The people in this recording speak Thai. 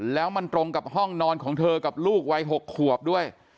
แล้วมันตรงกับห้องนอนของเธอกับลูกวัย๖ขวบด้วย